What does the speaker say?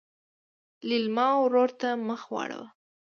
لېلما ورور ته مخ واړوه.